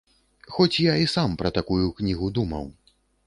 Хоць я і сам пра такую кнігу думаў.